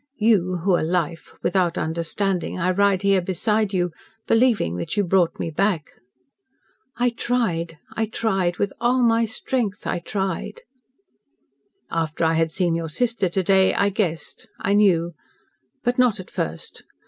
"You, who are Life without understanding I ride here beside you, believing that you brought me back." "I tried I tried! With all my strength, I tried." "After I had seen your sister to day, I guessed I knew. But not at first.